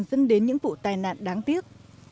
dẫn đến những vụ tai nạn đáng tiếc